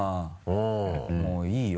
もういいよ